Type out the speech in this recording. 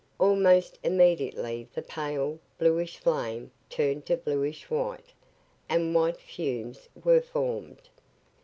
Almost immediately the pale, bluish flame turned to bluish white, and white fumes were formed.